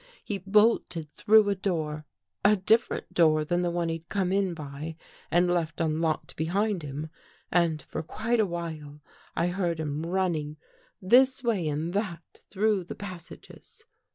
He bolted through a door — a different door than the one he'd come in by and left unlocked behind him, and for quite a while I heard him running this way and that through the passages.